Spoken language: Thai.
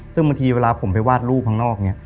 ซึ่งบางทีเวลาผมไปวาดรูปข้างนอกเนี่ย